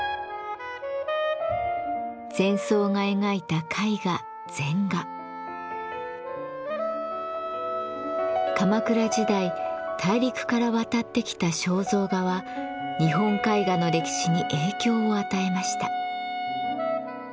禅僧が描いた絵画鎌倉時代大陸から渡ってきた肖像画は日本絵画の歴史に影響を与えました。